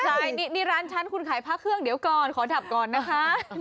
ใช่นี่ร้านฉันคุณขายพระเครื่องเดี๋ยวก่อนขอดับก่อนนะคะ